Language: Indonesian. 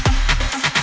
jangan lama lama